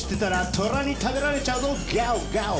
トラに食べられちゃうぞガオガオ。